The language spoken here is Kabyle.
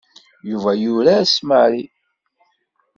Yuba yurar s Mary.